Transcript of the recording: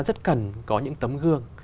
rất cần có những tấm gương